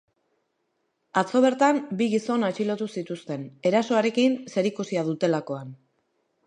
Atzo bertan bi gizon atxilotu zituzten, erasoarekin zerikusia dutelakoan.